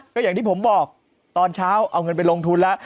ก็อย่างที่ผมบอกตอนเช้าเอาเงินไปลงทุนแล้ว